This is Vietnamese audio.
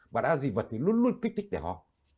và đã dị vật thì luôn luôn kích thích để ho